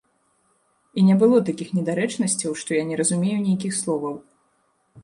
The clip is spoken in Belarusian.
І не было такіх недарэчнасцяў, што я не разумею нейкіх словаў.